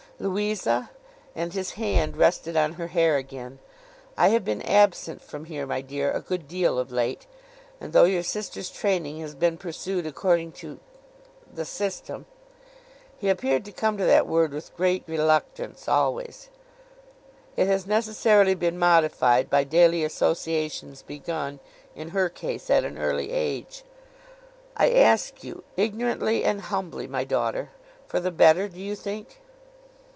'Louisa,' and his hand rested on her hair again, 'I have been absent from here, my dear, a good deal of late; and though your sister's training has been pursued according to—the system,' he appeared to come to that word with great reluctance always, 'it has necessarily been modified by daily associations begun, in her case, at an early age. I ask you—ignorantly and humbly, my daughter—for the better, do you think?